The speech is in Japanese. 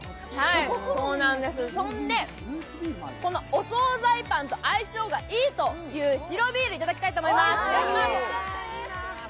それで、お総菜パンと相性がいいという白ビールをいただきたいと思います。